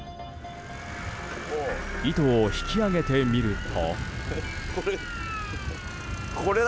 糸を引き上げてみると。